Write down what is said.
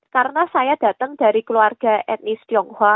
karena saya datang dari keluarga etnis tionghoa